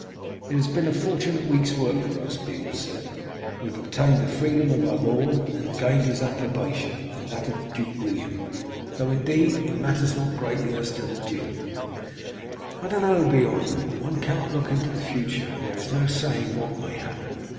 "It has been a fortunate week's work for us," Beorn said. "We have obtained the freedom of our lord and have gained his approbation and that of Duke William; though, indeed, it matters not greatly as to the duke." "I don't know, Beorn; one cannot look into the future, and there is no saying what may happen.